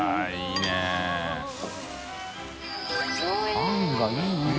あんがいい色！